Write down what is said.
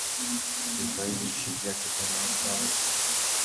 Ֆրիգանայի և շիբլյակի բնորոշ տարրերից։